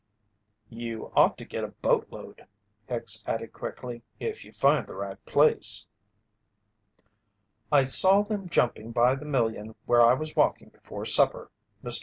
"You ought to get a boatload," Hicks added quickly, "if you find the right place." "I saw them jumping by the million where I was walking before supper." Mr.